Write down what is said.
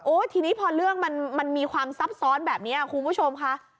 ทีนี้พอเรื่องมันมีความซับซ้อนแบบนี้คุณผู้ชมค่ะ